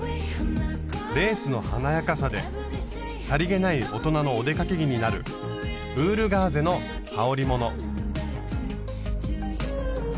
レースの華やかさでさりげない大人のお出かけ着になるウールガーゼのはおりもの。